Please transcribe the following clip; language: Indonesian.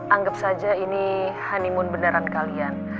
anggap saja ini honeymoon beneran kalian